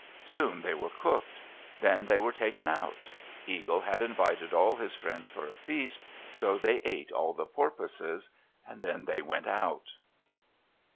Soon they were cooked. Then they were taken out. Eagle had invited all his friends for a feast, so they ate all the porpoises. Then they went out.